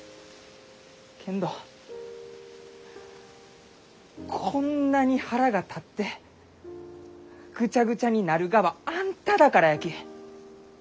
けんどこんなに腹が立ってぐちゃぐちゃになるがはあんただからやき。